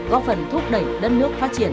có phần thúc đẩy đất nước phát triển